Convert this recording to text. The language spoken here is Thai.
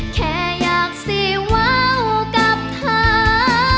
แค่อยากสิว้าวกับท่า